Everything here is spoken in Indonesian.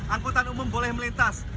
angkutan umum boleh melintas